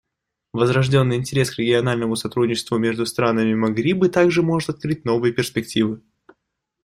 Возрожденный интерес к региональному сотрудничеству между странами Магриба также может открыть новые перспективы.